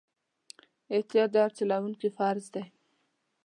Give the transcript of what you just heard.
احتیاط د هر چلوونکي فرض دی.